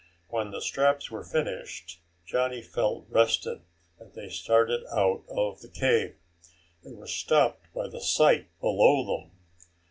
When the straps were finished, Johnny felt rested and they started out of the cave. They were stopped by the sight below them.